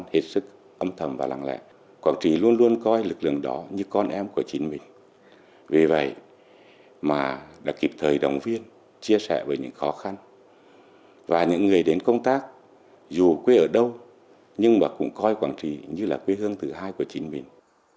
hết sức âm thầm và lặng lẽ quảng trị luôn luôn coi lực lượng đó như con em của chính mình vì vậy mà đã kịp thời động viên chia sẻ với những khó khăn và những người đến công tác dù quê ở đâu nhưng mà cũng coi quảng trị như là quê hương thứ hai của chính mình